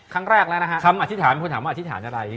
ครั้งแรกแล้วนะครับคำอธิษฐานคุณถามว่าอธิษฐานอะไร